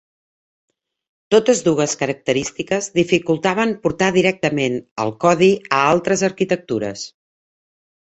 Totes dues característiques dificultaven portar directament el codi a altres arquitectures.